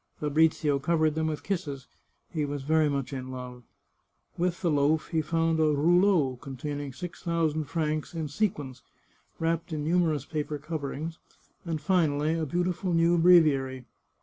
Fabrizio covered them with kisses ; he was very much in love. With the loaf he found a " rouleau," con taining six thousand francs in sequins, wrapped in numer ous paper coverings, and finally a beautiful new breviary.